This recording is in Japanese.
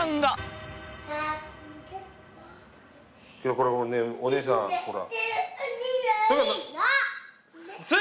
これお姉さんほら。